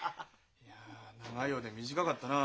いや長いようで短かったなあ。